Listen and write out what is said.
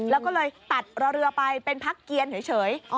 แล้วก็เลยตัดเรือไปเป็นพักเกียรเฉย